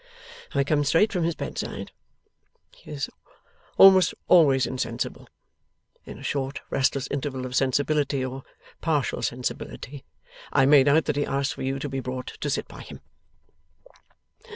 I come straight from his bedside. He is almost always insensible. In a short restless interval of sensibility, or partial sensibility, I made out that he asked for you to be brought to sit by him.